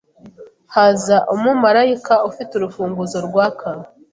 Haza umumarayika ufite urufunguzo rwaka